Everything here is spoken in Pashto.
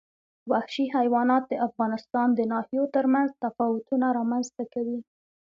وحشي حیوانات د افغانستان د ناحیو ترمنځ تفاوتونه رامنځ ته کوي.